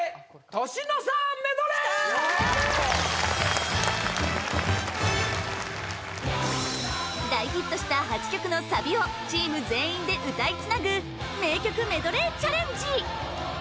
年の差メドレー大ヒットした８曲のサビをチーム全員で歌いつなぐ名曲メドレーチャレンジ